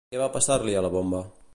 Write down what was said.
Què va passar-li a la bomba?